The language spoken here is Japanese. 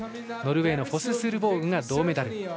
ノルウェーのフォススールボーグが銅メダル。